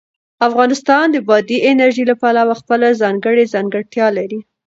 افغانستان د بادي انرژي له پلوه خپله ځانګړې ځانګړتیا لري.